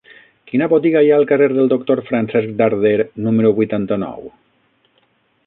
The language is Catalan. Quina botiga hi ha al carrer del Doctor Francesc Darder número vuitanta-nou?